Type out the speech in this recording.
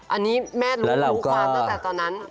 อันนี้แม่รู้รู้ความตั้งแต่ตอนนั้น